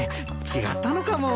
違ったのかも。